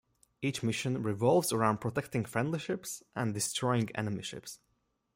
Each mission revolves around protecting friendly ships and destroying enemy ships.